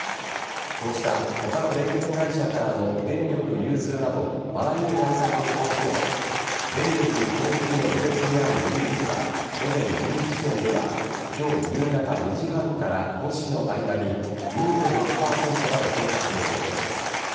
こうした他の電力会社からの電力融通などあらゆる対策を講じても電力供給の余力である予備率は午前１０時時点では今日夕方４時半から５時の間に２．６％まで低下する想定です。